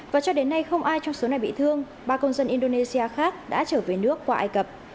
và cho đến nay không ai trong số này bị thương ba công dân indonesia khác đã trở về nước qua ai cập